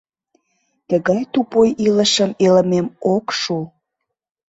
Тыгай тупуй илышым илымем ок шу.